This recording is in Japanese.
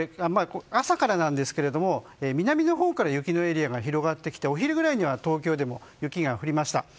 朝からなんですが南のほうから雪のエリアが広がってきて、お昼ぐらいには東京にも雪が降りました。